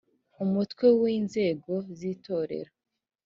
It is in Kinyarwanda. umutwe wa inzego z itorero